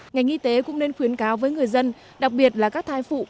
ngành y tế cũng nên khuyến cáo với người dân đặc biệt là các thai phụ